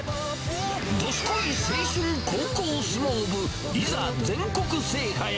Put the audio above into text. どすこい青春高校相撲部、いざ全国制覇へ！